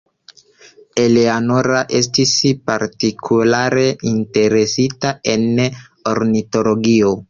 Eleanora estis partikulare interesita en ornitologio.